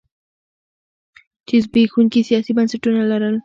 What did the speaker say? چې زبېښونکي سیاسي بنسټونه لرل.